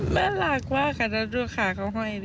แม่หลักมากค่ะแล้วด้วยขาเขาไห้ดิ